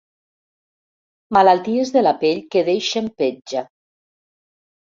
Malalties de la pell que deixen petja.